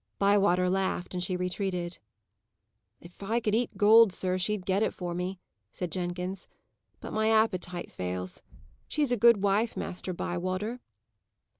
Bywater laughed, and she retreated. "If I could eat gold, sir, she'd get it for me," said Jenkins; "but my appetite fails. She's a good wife, Master Bywater."